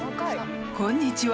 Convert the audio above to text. こんにちは。